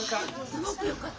すごくよかった。